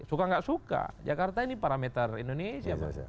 suka nggak suka jakarta ini parameter indonesia